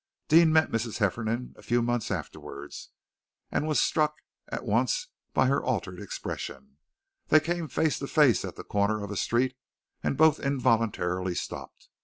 Deane met Mrs. Hefferom a few months afterwards, and was struck at once by her altered expression. They came face to face at the corner of a street, and both involuntarily stopped.